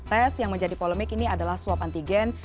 tes yang menjadi polemik ini adalah swab antigen